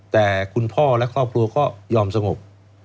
แต่คุณพ่อและครอบครัวก็ยอมสงบ